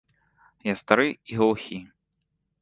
Я стары і глухі.